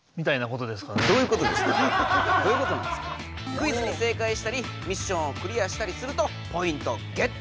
クイズに正解したりミッションをクリアしたりするとポイントゲット。